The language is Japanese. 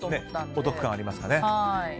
お得感がありますよね。